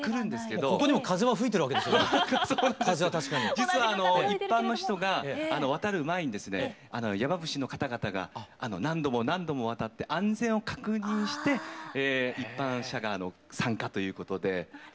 実は一般の人が渡る前にですね山伏の方々が何度も何度も渡って安全を確認して一般者が参加ということで。